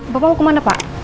bapak hukuman apa